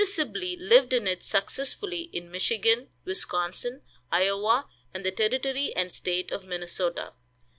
Sibley lived in it successively in Michigan, Wisconsin, Iowa, and the Territory and State of Minnesota.